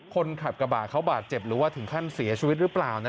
คนขับกระบาดเขาบาดเจ็บหรือว่าถึงขั้นเสียชีวิตหรือเปล่า